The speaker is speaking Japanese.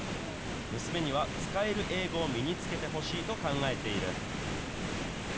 娘には使える英語を身につけてほしいと考えている。